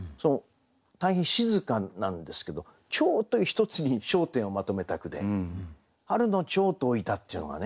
大変静かなんですけど蝶という１つに焦点をまとめた句で「春の蝶」と置いたっていうのがね。